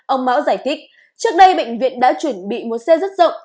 ông mão giải thích trước đây bệnh viện đã chuẩn bị một xe rất rộng